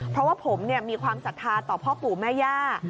เพราะว่าผมมีความศรัทธาต่อพ่อปู่แม่ย่า